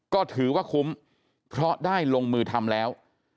ก็ถือว่าคุ้มเพราะได้ลงมือทำแล้ว